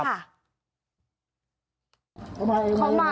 เขามา